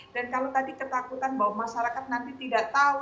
dan kalau tadi ketakutan bahwa masyarakat nanti tidak tahu